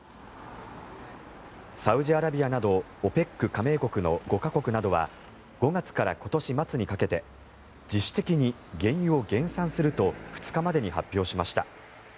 サウジアラビアなどＯＰＥＣ加盟国の５か国などは５月から今年末にかけて自主的に原油を減産すると２日までに発表しました。